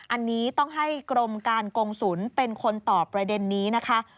อันนี้ต้องให้กรมการกงศูนย์เป็นคนตอบประเด็นนี้นะคะ